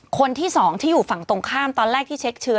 คนที่สองที่อยู่ฝั่งตรงข้ามตอนแรกที่เช็คเชื้อ